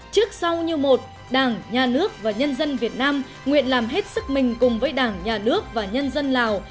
trước sau như một đảng nhà nước và nhân dân việt nam nguyện làm hết sức mình cùng với đảng nhà nước và nhân dân lào